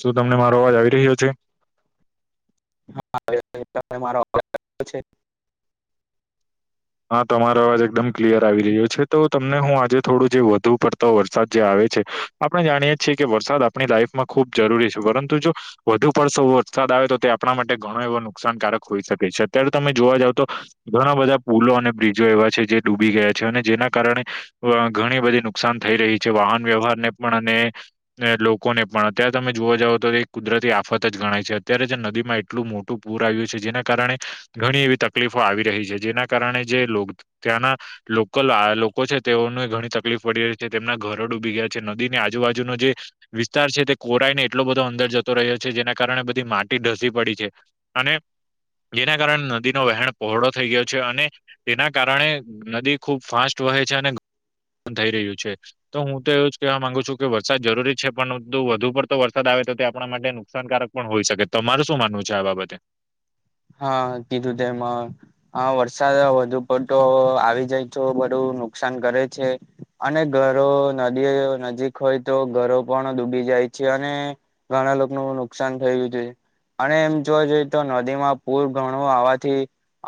શું તમને મારો અવાજ આવી રહ્યો છે. [unintelligible] હા તમારો અવાજ એકદમ ક્લિયર આવી રહ્યો છે તો તમને હું આજે થોડું જે વધુ પડતો વરસાદ જે આવે છે આપણે જાણીએે છીએ કે વરસાદ આપણી લાઈફમાં ખૂબ જરૂરી છે પરંતુ જો વધુ પડસો વરસાદ આવે તો તે આપણા માટે ઘણો એવો નુકસાનકારક હોઈ શકે છે અત્યારે તમે જોવા જાવ તો ઘણા બધા પુલો અને બ્રિજો એવા છે જે ડૂબી ગયા છે અને જેના કારણે ઘણી બધી નુકસાન થઈ રહી છે વાહન વ્યવહાર ને પણ અને લોકોને પણ અત્યારે તમે જોવા જાવ તો કુદરતી આફત જ ગણાય છે અત્યારે જે નદીમાં એટલું મોટું પૂર આવ્યું છે જેના કારણે ઘણી એવી તકલીફો આવી રહી છે જેના કારણે જે લો ત્યાં ના લોકલ લોકો છે તેઓને ઘણી તકલીફ પડી રહી છે તેમના ઘરો ડૂબી ગયા છે નદીની આજુબાજુનો જે વિસ્તાર છે તે કોરાઈ ને એટલો બધો અંદર જતો રહ્યો છે જેના કારણે બધી માટી ઢસી પડી છે. અને જેના કારણે નદીનો વહેણ પહોળો થઈ ગયો છે અને તેના કારણે નદી ખુબ ફાસ્ટ વહે છે અને થઈ રહ્યું છે. તો હું તો એવું જ કહેવા માંગુ છું કે વરસાદ જરૂરી છે પણ વધુ પડતો વરસાદ આવે તો તે આપણા માટે નુકસાનકારક પણ હોઈ શકે તમારે શું માનવું છે આ બાબતે હા કીધું તે એમાં હા વરસાદ વધુ પડતો આવી જાય તો બધું નુકસાન કરે છે. અને ઘરો નદીઓ નજીક હોય તો ઘરો પણ ડૂબી જાય છે અને ઘણા લોકોનું નુકસાન થયું છે અને એમ જોવા જઈએ તો નદીમાં પૂર ઘણું આવાથી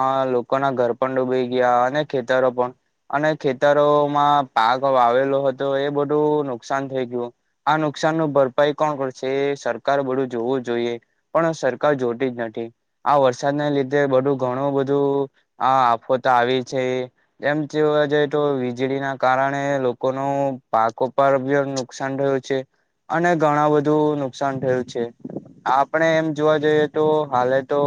આ લોકોના ઘર પણ ડૂબી ગયા અને ખેતરો પણ અને ખેતરોમાં પાક વાવેલો હતો એ બધું નુકસાન થઈ ગયું. આ નુકસાન નું ભરપાઈ કોણ કરશે સરકાર બધું જોવું જોઈએ. પણ સરકાર જોતી જ નથી. આ વરસાદને લીધે બધું ઘણું બધું આ આફોતા આવી છે. એમ જોવા જઈ તો વીજળીના કારણે લોકોનું પાક ઉપર નુકસાન રહ્યો છે. અને ઘણા બધું નુકસાન થયું છે આપણે એમ જોવા જઈએ તો હાલત તો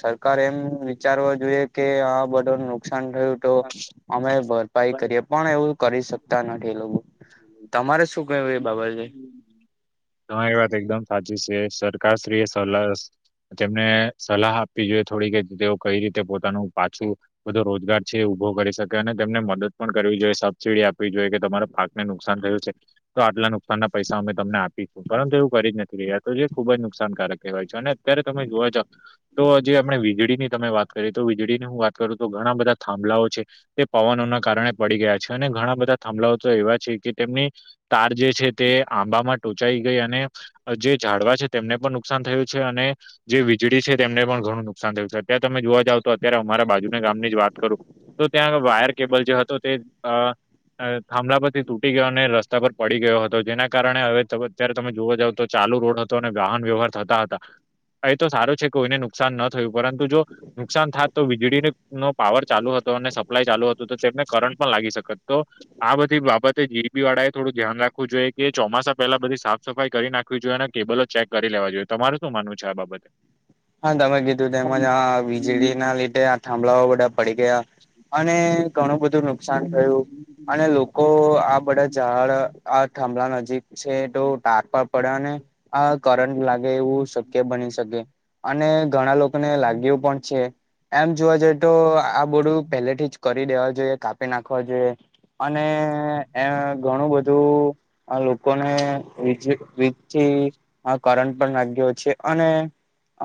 સરકાર એમ વિચારવા જોઈએ કે આ બધું નુકસાન થયું તો અમે ભરપાઈ કરીએ પણ એવું કરી શકતા નથી એ લોકો તમારે શું કહેવું એ બાબતે તમારી વાત એકદમ સાચી છે સરકારશ્રી એ સલાહ તેમને સલાહ આપવી જોઈએ થોડી કે તેઓ કઈ રીતે પોતાનું પાછું બધો રોજગાર છે એ ઉભો કરી શકે અને તેમને મદદ પણ કરવી જોઈએ સબસિડી આપવી જોઈએ કે તમારે પાકને નુકસાન થયું છે તો આટલા નુકસાન ના પૈસા અમે તમને આપી પરંતુ એવું કરી જ નથી રહ્યા તો જે ખુબ જ નુકસાનકારક કહેવાય છે અને અત્યારે તમે જોવા જાવ તો જે આપણે વીજળી ની તમે વાત કરીએ તો વીજળી ની હું વાત કરું તો ઘણા બધા થાંભલાઓ છે તે પવનોના કારણે પડી ગયા છે અને ઘણા બધા થંભલા તો એવા છે કે તેમની તાર જે છે તે આંબામાં ટોચાઈ ગઈ અને જે ઝાડવા છે તેમને પણ નુકસાન થયું છે અને જે વીજળી છે તેમને પણ ઘણું નુકસાન થયું છે અત્યારે તમે જોવા જાવ તો અત્યારે અમારા બાજુના ગામની જ વાત કરું તો ત્યાં વાયર કેબલ જે હતો તે ખાભલા પરથી તૂટી ગયો અને રસ્તા પર પડી ગયો હતો જેના કારણે હવે અત્યારે તમે જોવા જાવ તો ચાલુ રોડ હતો અને વાહન વ્યવહાર થતા હતા એ તો સારો છે કોઈને નુકસાન ન થયું પરંતુ જો નુકસાન થ તો વીજળી નો પાવર ચાલુ હતો અને સપ્લાય ચાલુ હતું તો તેમને કરંટ પણ લાગી શકેત તો આ બધી બાબતે જીરબી વાળા એ થોડું ધ્યાન રાખવું જોઈએ કે ચોમાસા પહેલા બધી સાફ સફાઈ કરી નાખી જોને કેબલો ચેક કરી લેવા જોઈએ તમારે શું માનવું છે આ બાબતે હ હા તમે કીધું તેમજ આ વીજળી ના લીધે આ થાંભળઓ બધા પડી ગયા અને ઘણું બધું નુકસાન થયું અને લોકો આ બધા ઝાડ આ થંભળ નજીક છે તો તાર પર પડે ને આ કરંટ લાગે એવું શક્ય બની શકે અને ઘણા લોકોને લાગું પણ છે એમ જોવા જઈએ તો આ બોડું પહેલેથી જ કરી દેવા જોઈએ કાપી નાખવા જોઈએ અને એ ઘણું બધું આ લોકોનેજ વીજથી આ કરંટ પણ લાગ્યો છે અને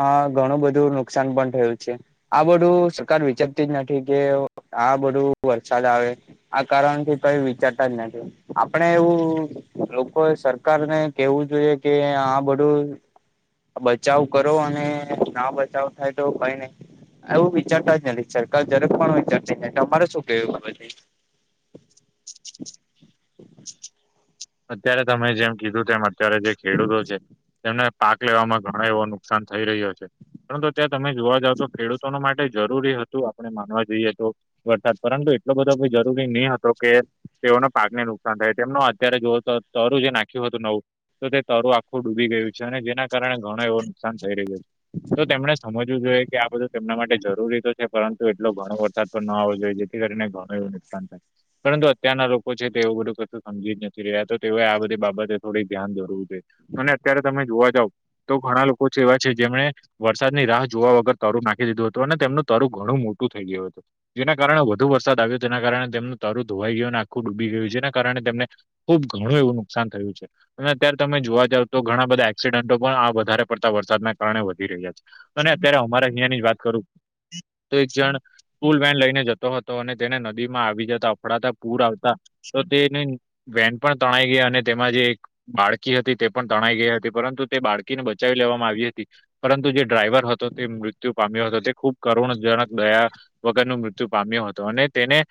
આ ઘણું બધું નુકસાન પણ થયું છે આ બધું સરકાર વિચારતી જ નથી કે આ બધું વરસાદ આવે આ કારણથી કઈ વિચારતા જ નથી આપણે એવું લોકો એ સરકાર ને કેવું જોઈએ કે આ બધું બચાવ કરો અને ના બચાવ થાય તો કઈ નહી એું વિચારતા જ નથી સરકાર જરેક પણ વિચારતી નથી તમારે શું કેવું અત્યારે તમે જેમ કીધું તેમમ અત્યારે જે ખેડૂતો છે તેમને પાક લેવામાં ઘણા એવો નુકસાન થઈ રહ્યો છે પરંતુ ત્યાં તમે જોવા જાવ તો ખેડૂતોને માટે જરૂરી હતું આપણે માનવા જઈએ તો વરસાદ પરંતુ એટલો બધો કો જરૂરી નહી હતો કે તેઓના પાકને નુકસાન થાય તેમનો અત્યારે જોવ તો તરું જે નાખ્યું હતું નવું તો તે તરું આખું ડૂબી ગયું છે અને જેના કારણે ઘણો એવો નુકસાન થઈ રહ્યો છે તો તેમને સમજ જું જોઈએ કે આ બધું તેમના માટે જરૂરી તો છે પરંતુ એટલો ઘણો વરસાદ તો ન આવવો જોઈએ જેથી કરીને ઘણું એવું નુકસાન થાય પરંતુ અત્યારના લોકો છે તે એવું બધું કશું સમજી જ નથી રહ્યા તો તેઓ આ બધી બાબતે થોડીક ધ્યાન ધવું જોઈએ અને અત્યારે તમે જોવા જાવ તો ઘણા લોકો છે એવા છે જેમને વરસાદની રાહ જોવા વગર તરું નાખી દીધું હતું અને તેમનું તરું ઘણું મોટું થઈ ગયું હતું જેના કારણે વધુ વરસાદ આવ્યો તેના કારણે તેમનું તારું ધોવાઈ ગયું અને આખું ડૂબી ગયું જેના કારણે તેમને ખુબ ઘણું એવું નુકસાન થયું છે અને અત્યારે તમે જોવા જાવ તો ઘણા બધા એક્સિડન્ટો પણ આ વધારે પડતા વરસાદના કારણે વધી રહ્યા છે અને અત્યારે અમારા અહીયા ની જ વાત કરું તો એક જણ પૂલ વન લઈને જતો હતો અને તેને નદી માં આવી જતા અફડાતા પૂર આવતા તો તેને વેન પણ તણાઈ ગયા અને તેમાં જે એક બાળકી હતી તે પણ તણાઈ ગઈ હતી પરંતુ તે બાળકીને બચાવી લેવામાં આવી હતી પરંતુ જે ડ્રાઈવર હતો તે મૃત્યુ પામ્યો હતો તે ખૂબ કરુણજનક ગયા વગર ન મૃત્યુ પામ્યો હતો અને તેને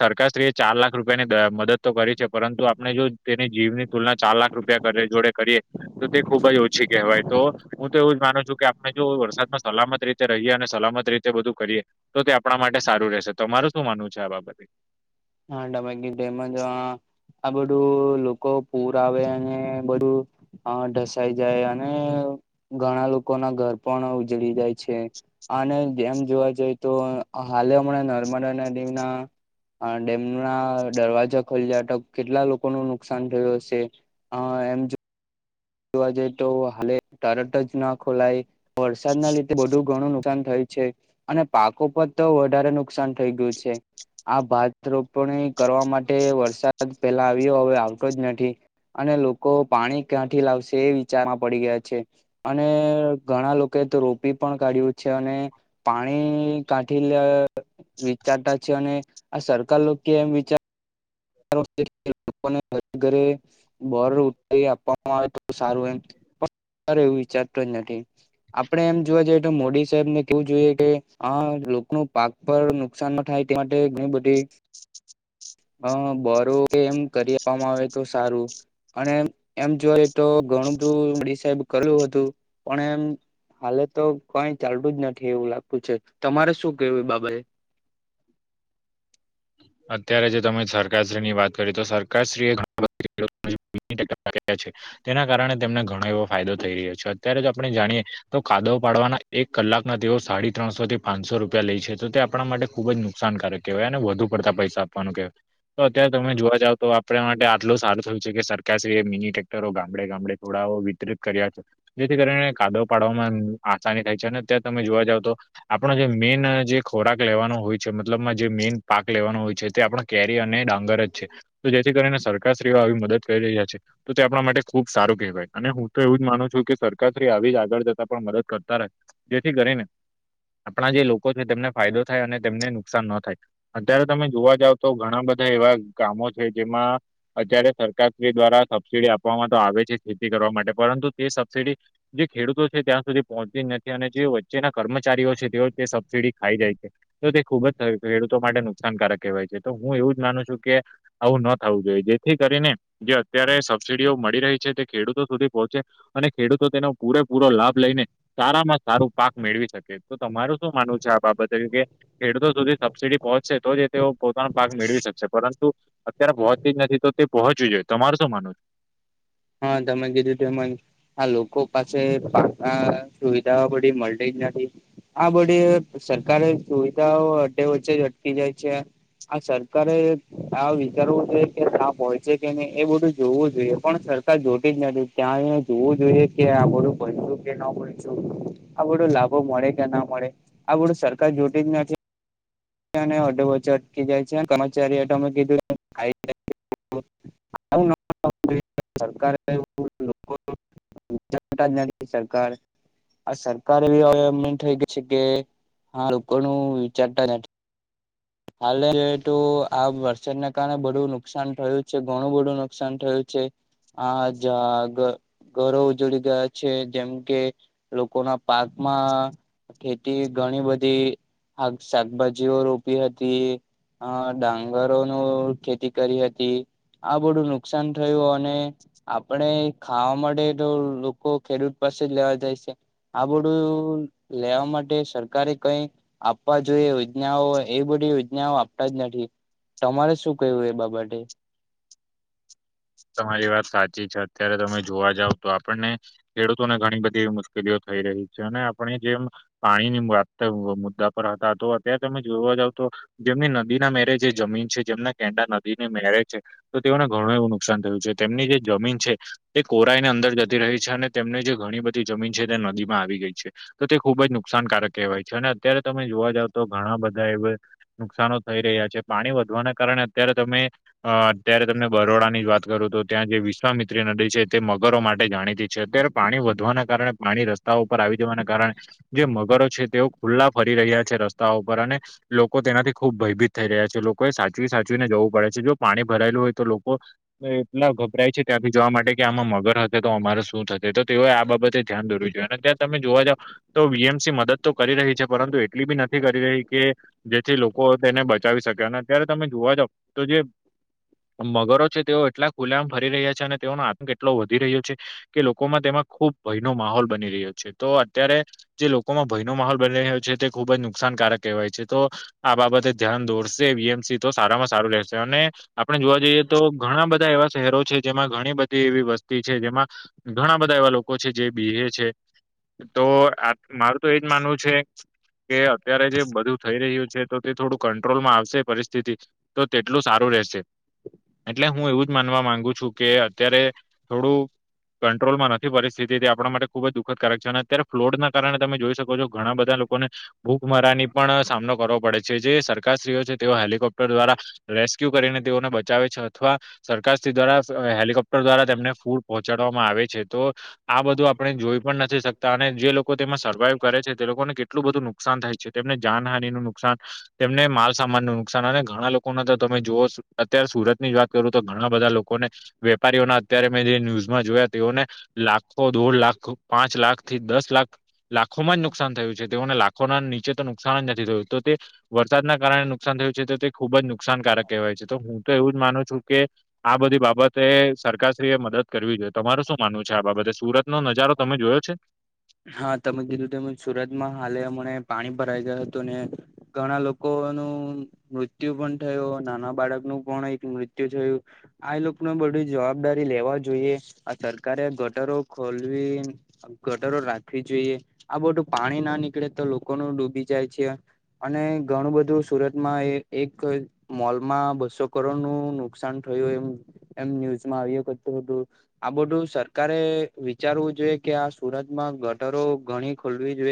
સરકારશત્રીએ ચાર લાખ રૂપિયાની મદદ તો કરી છે પરંતુ આપણે જો તેની જીવની તુલના ચાર લાખ રૂપિયા કર જોડે કરીએ તો તે ખુબ જ ઓછી કહેવાય તો હું તો એવું જ માનું છું કે આપણે જો વરસાદમાં સલામત રીતે રહીએ અને સલામત રીતે બધું કરીએ તો તે આપણા માટે સારું રહેશે તો મારું શું માનવું છે આ બાબતે હા ડબ ગીધ એમાં જો આ બધું લોકો પૂર આવે અને બધું હ ઢસાઈ જાય અને ઘણા લોકો ના ઘર પણ ઉજળી જાય છે અને જેમ જોવા જઈએ તો હાલે હમણાં નર્મદા નદીના આ ડેમ ના દરવાજા ખોલ્યા હતા કેટલા લોકો ન નુકસાન થયું હશે હ એમ જોવા જઈ તો હા તરટ જ ના ખોલાય વરસાદ ના લીધે બધું ઘણું નુકસાન થયું છે અને પાકો પર તો વધારે નુકસાન થઈ ગયું છે આ ભાત રોપણી કરવા માટે વરસાદ પેલા આવ્યો હવે જ નથી અને લોકો પાણી ક્યાંથી લાવશે એ વિચારમાં પડી ગયા છે અને ઘણા લોકોએ તો રોપી પણ કાઢ્યું છે અને પાણી કાઠી લ વિચારતા છે અને આ સરકાર કેમ વિચાર ઘરે ઘરે બર ઉતારી આપ આવે તો સારું એમ પણ એવું વિચારતો જ નથી આપડે એમ જોવા જઈએ તો મોદી સાહેબને કેવું જોઈએ કે આ લોકો ન પાક પર નુકસાનમાં થાય ત્યાં હુધી ઘણી બધી હ બોરો એમ કરી આપવામાં આવે તો સારું અને એમ એમ જોય તો ઘણું બધુ ડીસાઇબ કરેલું હતું પણ એમ હાલે તો કઈ ચાલતું જ નથી એવું લાગતું છે તમારે શું કેવું એ બાબતે અત્યારે જે તમે સરકારશ્રી ની વાત કરી તો સરકારશ્રી તેના કારણે તેમને ઘણો એવો ફાયદો થઈ રહ્યો છે અત્યારે જ આપણે જાણીએ તો કાદવ પાડવાના એક કલાકના તેઓ સાડી ત્રણસો થી પાંચસો રૂપિયા લે છે તો તે આપણા માટે ખુબ જ નુકસાનકારક. કેવાયને વધુ પડતા પૈસા આપવાનું કેવાય તો અત્યારે તમે જોવા જાવ તો આપણા માટે આટલું સારું થયું છે કે સરકારશ્રીએ મિની ટ્રેક્ટરો ગામડે ગામડે થોડાઓ વિતરિત કર્યા છે જેથી કરીને કાદો પાડવામાં આસાની થાય છે અને અત્યારે તમે જોવા જાવ તો આપણો જે મેઈન જે ખોરાક લેવાનો હોય છે મતલબમાં જે મેન પાક લેવાનો હોય છે તે આપણ કેરી અને ડાંગર જ છે તો જેથી કરીને પ્રશ રવા આવી મદ કરી રહ્યા છે તો તે આપણા માટે ખુબ સારું કહેવાય અને હું તો એવું જ માનું છું કે સરકાર શ્રી આવી જ આગળ જતા પણ મદદ કરતા રહે જેથી કરીને આપણા જે લોકો છે તેમને ફાયદો થાય અને તેમને નુકસાન ન થાય અત્યારે તમે જોવા જાવ તો ઘણા બધા એવા ગામો છે જેમાં અત્યારે સરકાર શ્રી દ્વારા સબસિડી આપવામાં તો આવે છે ખેતી કરવા માટે પરંતુ તે સબસિડી જે ખેડૂતો છે ત્યાં સુધી પહોંચતી જ નથી અને જે વચ્ચેના કર્મચારીઓ છે તેઓ તે સબસીિડી ખાઈ જાય છે તો તે ખુબ જ ખેડૂતો માટે નુકસાનકારક કહેવાય છે તો હું એવું જ માનું છું કે આવું ન થવું જોઈએ જેથી કરીને જે અત્યારે સબસીિડીઓ મળી રહી છે તે ખેડૂતો સુધી પહોંચે અને ખેડૂતો તેનો પૂરેપૂરો લાભ લઈને સારામાં સારું પાક મેળવી શકે તો તમારું શું માનવું છે આ બાબતે કે ખેડૂતો સુધી સિટી પહોંચશે તો જ તેઓ પોતાનો ભાગ મેળવી શકશે પરંતુ અત્યારે પહોંચતી જ નથી, તો તે પહોંચવી જોઈ, તમારું શું માનવું છ? હા તમે કીધું તેમજ હા લોકો પાસે પા અહ સુવિધાઓ બધી મલતી જ નથી. આ બધી સરકારે સુવિધાઓ અડધે વચ્ચે જ અટકી જાય છે. આ સરકારે આ વિચારવું જોઈએ કે તા પહોંચે કે નહી એ બધું જોવું જોઈએ પણ જોતી જ નથી ત્યાં જોવું જોઈએ કે આ બધું ભનશું કે ન ભનશું આ બધો લાભો મળે કે ના મળે આ બધું સરકાર જોટી જ નથી બધાનેઅધવચ્ચે અટકી જાય છે. અને કર્મચારી એ કીધું આવું નો કરવું જોઈએ સરકારે લોકો નો મોટા જ્યા સરકાર આ સરકાર એવી હવે એમ થઈ ગઈ છે કે આ લોકોનું વિચારતા નથી હાલે તું આ વરસાદને કારણે બધું નુકસાન થયું છે ઘણું બધું નુકસાન થયું છે. હા જ ઘર ઘરો ઉજડી ગયા છે જેમ કે લોકો ના પાકમાં ખેતી ઘણી બધી શાકભાજીઓ રોપ પી હતી, અહ ડાંગરો નો ખેતી કરી હતી. આ બધું નુકસાન થયું, અને આપણે ખાવા માટે તો લોકો ખેડૂત પાસે જ લેવા જાય સે. આ બધું લેવા માટે સરકારે કઈ આપવા જોઈએ યોજનાઓ એવી બધી યોજનાઓ આપતા જ નથી. તમારે શું કેવું એ બાબતે? તમારી વાત સાચી છે. અત્યારે તમે જોવા જાવ તો આપણને ખેડૂતોને ઘણી બધી એવી મુશ્કેલીઓ થઈ રહી છે. અને આપણે જેમ પાણીની વાત મ મુદ્દા પર હતા. તો અત્યારે તમે જોવા જાવ તો જેમની નદી ના મેરે જે જમીન છે, જેમના કેંડા નદીને મેરે છે, તો તેઓને ઘણું એવું નુકસાન થયું છે. તેમની જે જમીન છે તે કોરાઈ ને અંદર જતી રહી છે, અને તેમને જે ઘણી બધી જમીન છે, તે નદી માં આવી ગઈ છે. તો તે ખૂબ જ નુકસાનકારક કહેવાય છે. અને અત્યારે તમે જોવા જાવ તો ઘણા બધા એવ નુકસાનો થઈ રહ્યા છે. પાણી વધવાના કારણે અત્યારે તમે અહ અત્યારે તમને બરોડાની જ વાત કરું તો ત્યાં જે વિશ્વામિત્રી નદી છે, તે મગરો માટે જાણીતી છે. અત્યારે પાણી વધવાના કારણે પાણી રસ્ રસ્તા ઉપર આવી જવાના કારણે જે મગરો છે, તેઓ ખુલ્લા ફરી રહ્યા છે રસ્તાઓ ઉપર, અને લોકો તેનાથી ખૂબ ભયભીત થઈ રહ્યા છે. લોકોએ સાચવી-સાચવીને જવું પડે છે, જો પાણી ભરાયેલું હોય તો લોકો એટલા ગભરાય છે ત્યાંથી જવા માટે, કે આમાં મગર હતે તો અમારે શું થશે, તો તેઓએ આ બાબતે ધ્યાન દરું જોઈએ ને ત્યાં તમે જોવા જાવ, તો વી એમ સી મદદ તો કરી રહી છે, પરંતુ એટલી બી નથી કરી રહી કે જેથી લોકો તેને બચાવી શકે, અને અત્યારે તમે જોવા જ તો જે મગરો છે તેઓ એટલા ખુલામાં ફરી રહ્યા છે, અને તેઓનો આતંક એટલો વધી રહ્યો છે કે લોકોમાં તેમાં ખુબ ભયનો માહોલ બની રહ્યો છે. તો અત્યારે જે લોકોમાં ભયનો માહોલ બની રહ્યો છે, તે ખુબ જ નુકસાનકારક કહેવાય છે. તો આ બાબતે ધ્યાન દોરશે વી એમ સી તો સારામાં સારું રહેેશે, અને આપણે જોવા જઈએ તો ઘણા બધા એવ વા શહેરો છે, જેમાં ઘણી બધી એવી વસ્તી છે, જેમાં ઘણા બધા એવા લોકો છે જે બીહે છે. તો આપ મારું તો એજ માનવું છે કે અત્યારે જે બધું થઈ રહ્યું છે, તો તે થોડું કંટ્રોલમાં આવશે પરિસ્થિતિ તો તેટલું સારું રહેશે. એટલે હું એવું જ માનવા માંગુ છું કે અત્યારે થોડું કંટ્રોલમાં નથી પરિસ્થિતિ તે આપણા માટે ખૂબ જ દુઃખદકારક છે, અને અત્યારે ફ્લોડના કારણે તમે જોઈ શકો છો ઘણા બધા લોકોને ભૂખમરાની પણ સામનો કરવો પડે છે. જે સરકારશત્રીઓ છે, તેઓ હેલિકોપ્ટર દ્વારા રેસ્ક્યુ કરીને તેઓને બચાવે છે. અથવા સરકારશ્રી દ્વારા હેલિકોપ્ટર દ્વારા તેમને ફૂડ પહોંચાડવામાં આવે છે. તો આ બધું આપણે જોઈ પણ નથી શકતા અને જે લોકો તેમાં સર્વાઈવ કરે છે તે લોકોને કેટ એટલું બધું નુકસાન થાય છે તેમને જાનહાની નું નુકસાન તેમને માલસામાન નું નુકસાન અને ઘણા લોકોના તમે જોઓ અત્યારે સુરત ની જ વાત કરો તો ઘણા બધા લોકોને વેપારીઓના અત્યારે મેં જે ન્યૂઝમાં જોયા તેઓને લાખો, દોઢ લાખ, પાંચ લાખથી દસ લાખ લાખોમાં જ નુકસાન થયું છે, તેઓને લાખોના નીચે તો નુકસાન જ નથી થયું, તો તે વરસાદના કારણે નુકસાન થયું છે, તો તે ખુબ જ નુકસાનકારક કહેવાય છે. તો હું તો એવું જ માનું છું કે આ બધી બાબતે સરકારશ્રી એ મદદ કરવી જોઈએ. તમાર શું માનવું છે આ બાબતે? સુરત નો નજારો તમે જોયો છે? હા તમે કીધું તેમ જ સુરતમાં હાલે હમણે પાણી ભરાઈ ગયા હતું ને ઘણા લોકો નું મૃત્યુ પણ થયું, નાના બાળકનું પણ એક મૃત્યુ થયું. આ એ લોકોને બધી જવાબદારી લેવા જોઈએ આ સરકારે ગટરો ખોલવી ગટરો રાખવી જોઈએ આ બધું પાણી ના નીકળે તો લોકોનું ડૂબી જાય છે અને ઘણું બધું સુરતમાં એક મોલમાં બસો કરોડ નું નુકસાન થયું એમ એમ ન્યુઝમાં આવી કરતું હતું આ બધું સરકારે વિચારવું જોઈએ કે આ સુરતમાં ગટરો ઘણી ખોલવી જોઈએ